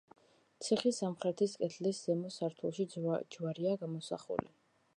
ციხის სამხრეთის კედლის ზემო სართულში ჯვარია გამოსახული.